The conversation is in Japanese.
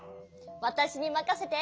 わたしにまかせて。